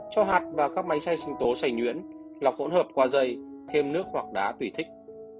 cho hạt và các máy xe sinh tố sài nhuyễn lọc hỗn hợp qua dây thêm nước hoặc đá tùy thích